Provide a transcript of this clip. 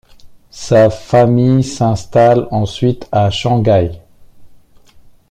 Sa famille s'installe ensuite à Shanghai.